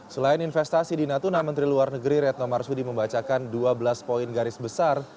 selain investasi di natuna menteri luar negeri retno marsudi membacakan dua belas poin garis besar